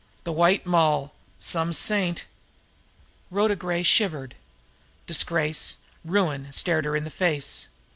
The White Moll! Some saint!" Rhoda Gray shivered. Disgrace, ruin, stared her in the face.